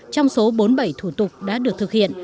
trong số bốn mươi bảy thủ tục đã được thực hiện